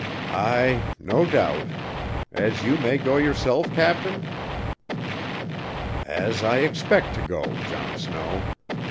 "Ay, no doubt. As you may go yourself, captain?" "As I expect to go, John Snow.